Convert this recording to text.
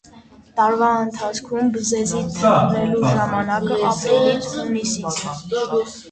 Տարվա ընթացքում բզեզի թռրելու ժամանակը ապրիլից հունիսից։